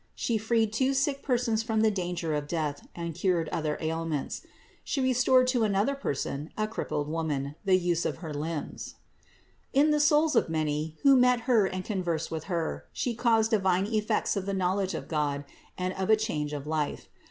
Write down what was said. She freed two sick persons from the danger of death and cured their ailments. She restored to another person, a crippled woman, the use of her limbs. In the souls of 534 CITY OF GOD many, who met Her and conversed with Her, She caused divine effects of the knowledge of God and of a change of life.